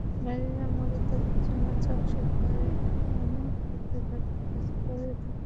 নারীরা মুড়ি তৈরির জন্য চাল শুকানো থেকে ভাজার কাজ করে থাকেন।